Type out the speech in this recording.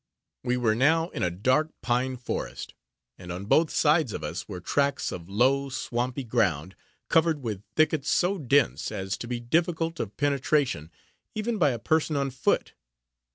We were now in a dark pine forest, and on both sides of us were tracts of low, swampy ground, covered with thickets so dense as to be difficult of penetration even by a person on foot.